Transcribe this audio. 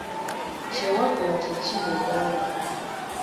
Kyewaggulwa kye ki Luganda?